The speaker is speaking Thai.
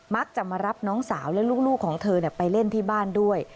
มักจะมารับน้องสาวและลูกของเธอไปเล่นที่บ้านด้วย